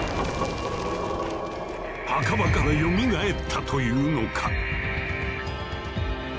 墓場からよみがえったというのか？